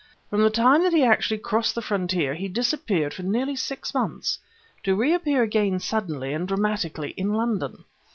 From the time that he actually crossed the frontier he disappeared for nearly six months, to reappear again suddenly and dramatically in London.